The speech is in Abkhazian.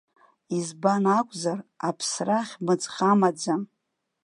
Избан акәзар, аԥсра хьмыӡӷ амаӡам.